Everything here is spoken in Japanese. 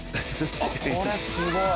これすごい。